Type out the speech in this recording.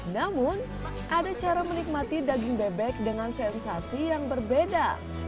namun ada cara menikmati daging bebek dengan sensasi yang berbeda